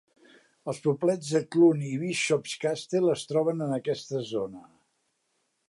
Els poblets de Clun i Bishop's Castle es troben en aquesta zona.